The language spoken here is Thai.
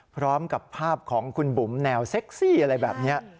พร้อมกับภาพของคุณบุ๋มแนวเซ็กซี่อะไรแบบนี้